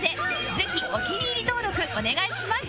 ぜひお気に入り登録お願いします